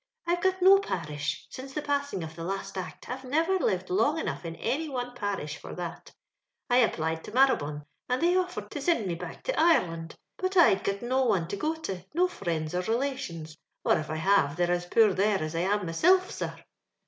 I've got no parish; since the passing of the last Act, I'vo niver lived long enough in any one parish for that I applied to Marabone, and Uiey offered to sind me back to Ireland, but I'd got no one to go to, no friends or relations, or if I have, they're as poor there as I am mysilf^ sir.